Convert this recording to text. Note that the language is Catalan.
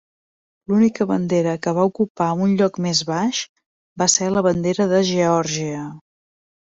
L'única bandera que va ocupar un lloc més baix va ser la Bandera de Geòrgia.